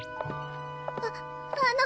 ああの。